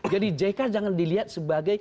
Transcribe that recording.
jadi jk jangan dilihat sebagai